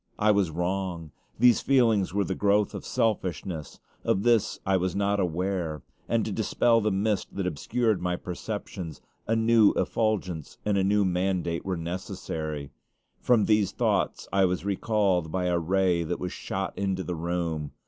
I was wrong. These feelings were the growth of selfishness. Of this I was not aware; and to dispel the mist that obscured my perceptions, a new effulgence and a new mandate were necessary. From these thoughts I was recalled by a ray that was shot into the room.